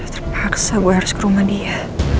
terpaksa gue harus ke rumah dia